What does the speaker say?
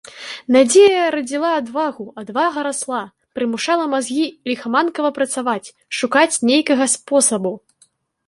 Надзея радзіла адвагу, адвага расла, прымушала мазгі ліхаманкава працаваць, шукаць нейкага спосабу.